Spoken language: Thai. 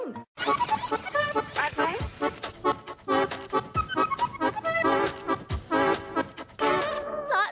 เจาะแจ๊ะริมเจาะ